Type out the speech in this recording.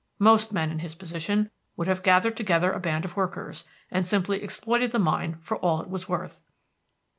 Most men in his position would have gathered together a band of workers, and simply exploited the mine for all it was worth.